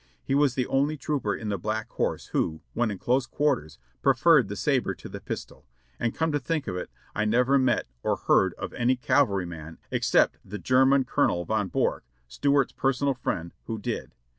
He was the only trooper in the Black Horse who, when in close quarters, preferred the sabre to the pistol ; and come to think of it, I never met or heard of any cavalryman except the German Colonel von Borcke, Stuart's personal friend, who did.